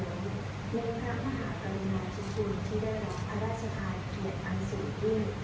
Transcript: ในพระมหากริงาทุกคนที่ได้รักพระราชทายเกียรติอันสุทธิ์